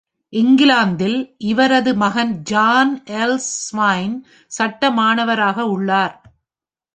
இங்கிலாந்தில் இவரது மகன் ஜான் எல். ஸ்வைன் சட்ட மாணவராக உள்ளார்.